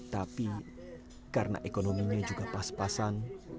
tapi karena ekonominya juga pas pasan